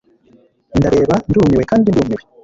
ndareba ndumiwe kandi ndumiwe